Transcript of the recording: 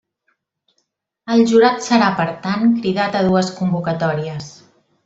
El jurat serà, per tant, cridat a dues convocatòries.